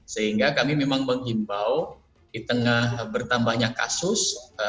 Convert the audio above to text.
sehingga kami memang menghimbau di tengah bertambahnya kasus